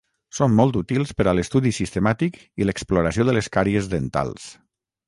Són molt útils per a l'estudi sistemàtic i l'exploració de les càries dentals.